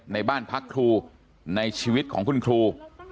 ในบ้านพักครูในชีวิตของคุณครู